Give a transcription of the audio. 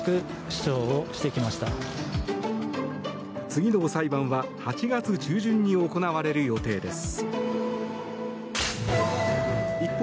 次の裁判は８月中旬に行われる予定です。